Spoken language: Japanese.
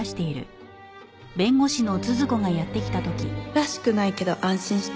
らしくないけど安心して。